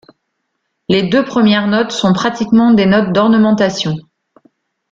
Les deux premières notes sont pratiquement des notes d'ornementation.